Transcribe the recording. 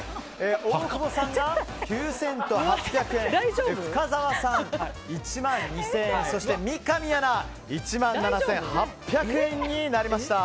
大久保さんが９８００円深澤さん、１万２０００円そして三上アナ１万７８００円になりました。